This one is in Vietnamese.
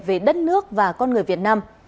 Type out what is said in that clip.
về đất nước và con người việt nam